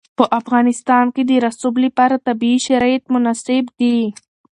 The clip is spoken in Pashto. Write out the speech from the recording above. په افغانستان کې د رسوب لپاره طبیعي شرایط مناسب دي.